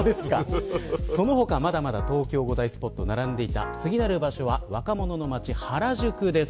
その他はまだまだ東京５大スポット、並んでいた次なる場所は若者の街原宿です。